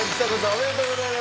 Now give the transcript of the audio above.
おめでとうございます。